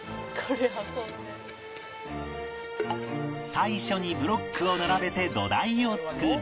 最初にブロックを並べて土台を作り